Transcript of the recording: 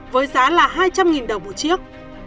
với giá là hai trăm linh đồng một chiếc